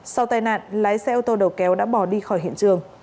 sau tai nạn lái xe ô tô đầu kéo đã bỏ đi khỏi hiện trường